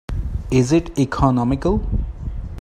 Is it economical?